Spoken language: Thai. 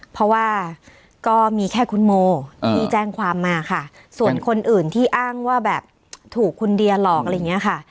เพราะว่าก็มีแค่คุณโมที่แจ้งความมาค่ะส่วนคนอื่นที่อ้างว่าแบบถูกคุณเดียหลอกอะไรอย่างนี้ค่ะ